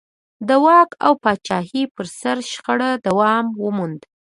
د واک او پاچاهۍ پر سر شخړو دوام وموند.